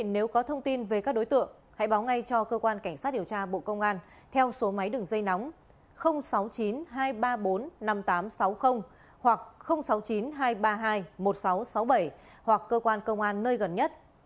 nếu có thông tin về các đối tượng hãy báo ngay cho cơ quan cảnh sát điều tra bộ công an theo số máy đường dây nóng sáu mươi chín hai trăm ba mươi bốn năm nghìn tám trăm sáu mươi hoặc sáu mươi chín hai trăm ba mươi hai một nghìn sáu trăm sáu mươi bảy hoặc cơ quan công an nơi gần nhất